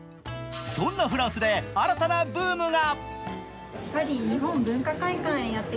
そんなフランスで新たなブームが。